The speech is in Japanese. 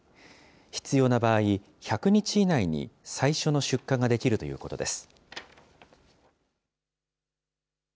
必要な場合、１００日以内に最初の出荷ができるということです。